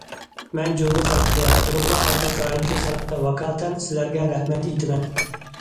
مەن جۇڭگو خەلقىگە، بولۇپمۇ ئاپەت رايونىدىكى خەلققە ۋاكالىتەن سىلەرگە رەھمەت ئېيتىمەن.